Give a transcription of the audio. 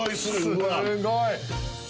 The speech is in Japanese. すっごい！